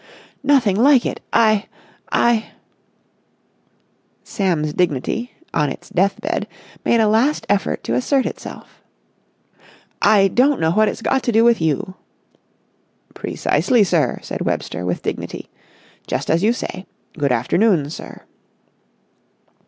"Nothing like it! I—I——." Sam's dignity, on its death bed, made a last effort to assert itself. "I don't know what it's got to do with you!" "Precisely, sir!" said Webster, with dignity. "Just as you say! Good afternoon, sir!"